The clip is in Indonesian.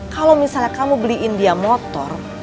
kalau misalnya kamu beliin dia motor